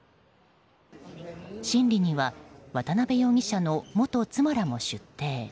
審理には渡辺容疑者の元妻らも出廷。